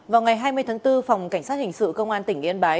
vào ngày hai mươi tháng bốn phòng cảnh sát hình sự công an tỉnh yên bái